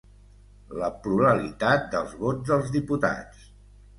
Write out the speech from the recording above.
La pluralitat dels vots, dels diputats.